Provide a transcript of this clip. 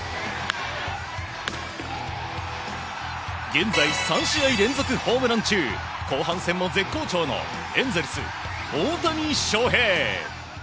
現在３試合連続ホームラン中後半戦も絶好調のエンゼルス、大谷翔平。